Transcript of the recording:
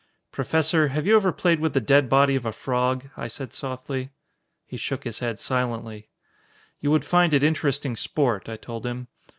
"Professor, have you ever played with the dead body of a frog?" I said softly. He shook his head silently. "You would find it interesting sport," I told him.